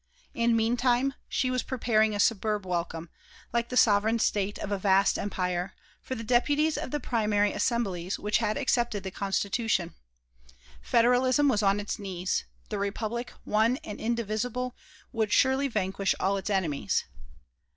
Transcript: And meantime, she was preparing a superb welcome, like the sovereign state of a vast empire, for the deputies of the primary Assemblies which had accepted the Constitution. Federalism was on its knees; the Republic, one and indivisible, would surely vanquish all its enemies.